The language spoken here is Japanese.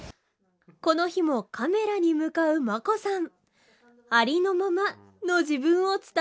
この日もカメラに向かう真子さん